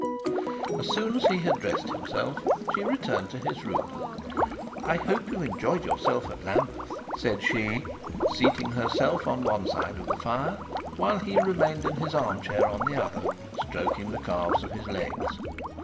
As soon as he had dressed himself she returned to his room. 'I hope you enjoyed yourself at ' said she, seating herself on one side of the fire while he remained in his arm chair on the other, stroking the calves of his legs.